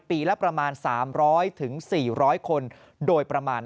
ปีละประมาณ๓๐๐๔๐๐คนโดยประมาณ